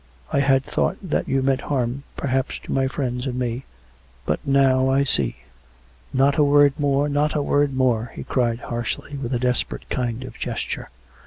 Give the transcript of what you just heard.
I had thought that you meant harm, perhaps, to my friends and me. But now I see "" Not a word more ! not a word more !" he cried harshly, with a desperate kind of gesture.